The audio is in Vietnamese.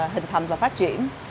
hình thành và phát triển